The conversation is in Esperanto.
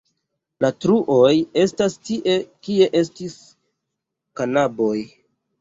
La truoj estas tie, kie estis la kanaboj.